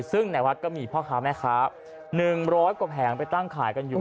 ซึ่งในวัดก็มีพ่อค้าแม่ค้า๑๐๐กว่าแผงไปตั้งขายกันอยู่